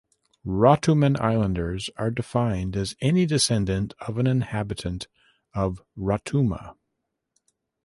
Rotuman Islanders are defined as any descendant of an inhabitant of Rotuma.